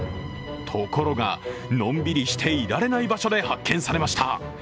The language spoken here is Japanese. ところが、のんびりしていられない場所で発見されました。